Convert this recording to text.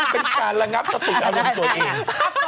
เป็นการระงับสติอารมณ์ตัวเอง